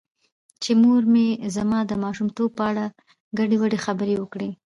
چې مور مې زما د ماشومتوب په اړه ګډې وګډې خبرې وکړې .